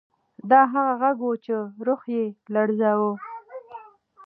دا هغه غږ و چې روح یې لړزاوه.